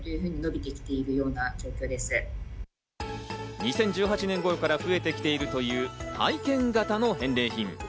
２０１８年頃から増えてきているという体験型の返礼品。